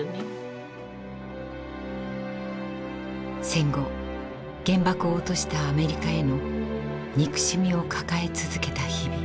戦後原爆を落としたアメリカへの憎しみを抱え続けた日々。